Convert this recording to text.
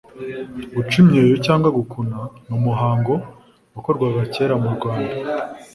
Guca imyeyo cyangwa Gukuna ni umuhango wakorwaga kera mu Rwanda